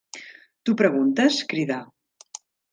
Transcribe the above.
"T'ho preguntes?", cridà.